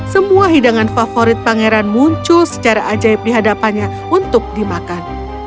semua hidangan favorit pangeran muncul secara ajaib di hadapannya untuk dimakan